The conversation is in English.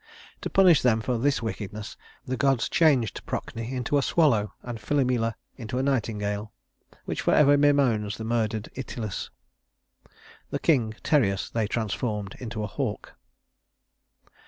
To punish them for this wickedness the gods changed Procne into a swallow, and Philomela into a nightingale, which forever bemoans the murdered Itylus. The king, Tereus, they transformed into a hawk.